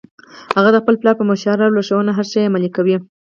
هغه د خپل پلار په مشوره او لارښوونه هر شي عمل کوي